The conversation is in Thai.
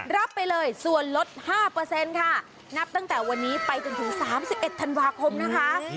รับไปเลยส่วนลดห้าเปอร์เซ็นต์ค่ะนับตั้งแต่วันนี้ไปจนถึงสามสิบเอ็ดธันวาคมนะคะ